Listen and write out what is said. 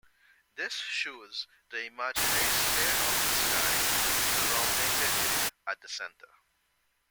This shows the imaginary sphere of the sky, surrounding the Earth at the center.